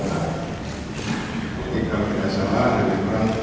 jadi kalau tidak salah ada di kurang